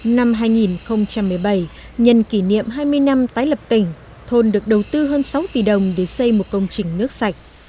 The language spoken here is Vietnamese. năm hai nghìn một mươi bảy nhân kỷ niệm hai mươi năm tái lập tỉnh thôn được đầu tư hơn sáu tỷ đồng để xây một công trình nước sạch